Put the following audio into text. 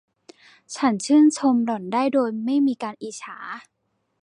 ฉันชื่นชมหล่อนได้โดยไม่มีการอิจฉา